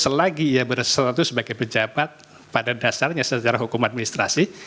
selagi ia bersatu sebagai pejabat pada dasarnya secara hukum administrasi